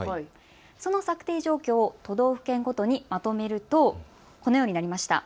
その策定状況を都道府県ごとにまとめるとこのようになりました。